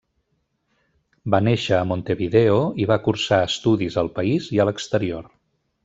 Va néixer a Montevideo, i va cursar estudis al país i a l'exterior.